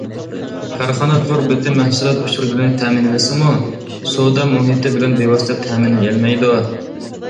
كارخانا تور بېتى مەھسۇلات ئۇچۇرلىرىنى تەمىنلىسىمۇ، سودا مۇھىتى بىلەن بىۋاسىتە تەمىنلىيەلمەيدۇ.